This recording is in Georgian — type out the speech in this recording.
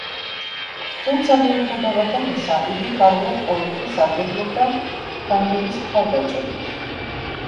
თუმცა, მიუხედავად ამისა, იგი ფარულად ყოველთვის სარგებლობდა ფრანგების მხარდაჭერით.